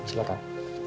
kau juga usar